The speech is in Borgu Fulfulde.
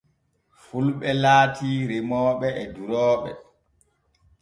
Fulɓe laati remooɓe e durooɓe.